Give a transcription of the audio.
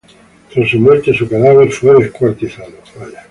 Tras su muerte su cadáver fue descuartizado.